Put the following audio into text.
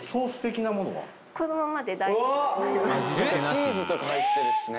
チーズとか入ってるしね。